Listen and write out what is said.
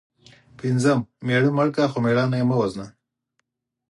پنځم:مېړه مړ که خو مړانه یې مه وژنه